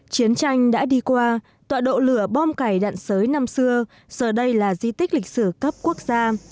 chiến tranh đã đi qua tọa độ lửa bom cày đạn sới năm xưa giờ đây là di tích lịch sử cấp quốc gia